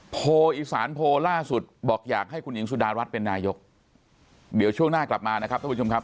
โพลอีสานโพลล่าสุดบอกอยากให้คุณหญิงสุดารัฐเป็นนายกเดี๋ยวช่วงหน้ากลับมานะครับท่านผู้ชมครับ